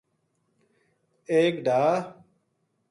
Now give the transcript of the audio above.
ایک ڈھا